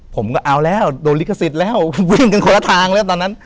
ผมก็เอาแล้วโดนลิขสิทธิ์แล้ววิ่งกันคนละทางแล้วตอนนั้น